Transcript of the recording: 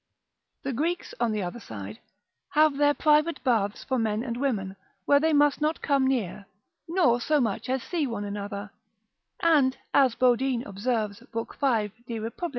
The Greeks, on the other side, have their private baths for men and women, where they must not come near, nor so much as see one another: and as Bodine observes lib. 5. de repub.